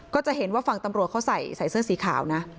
ก็จะเห็นว่าฝั่งตำรวจเขาใส่เสื้อสีขาวนะ